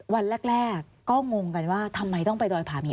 วันแรกก็งงกันว่าทำไมต้องไปดอยผามี